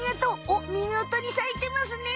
おっみごとにさいてますね！